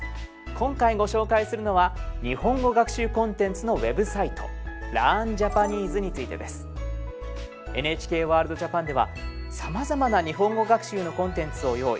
今回ご紹介するのは日本語学習コンテンツのウェブサイト「ＬｅａｒｎＪａｐａｎｅｓｅ」についてです。ＮＨＫワールドＪＡＰＡＮではさまざまな日本語学習のコンテンツを用意。